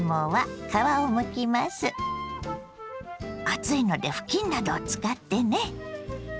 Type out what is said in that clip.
熱いので布巾などを使ってね。